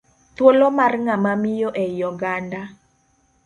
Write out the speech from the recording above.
Thuolo mar ng'ama miyo e i oganda